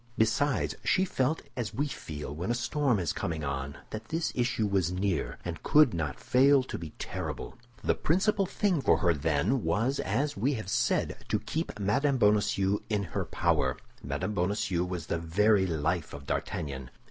Besides, she felt as we feel when a storm is coming on—that this issue was near, and could not fail to be terrible. The principal thing for her, then, was, as we have said, to keep Mme. Bonacieux in her power. Mme. Bonacieux was the very life of D'Artagnan.